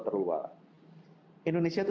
terluar indonesia itu